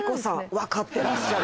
わかってらっしゃる。